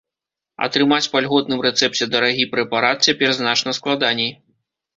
Атрымаць па льготным рэцэпце дарагі прэпарат цяпер значна складаней.